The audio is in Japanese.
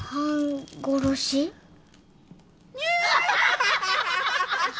アハハハハ！